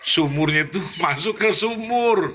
sumurnya itu masuk ke sumur